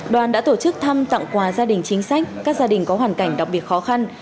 đoàn đã tổ chức thăm tặng quà gia đình chính sách các gia đình có hoàn cảnh đặc biệt khó khăn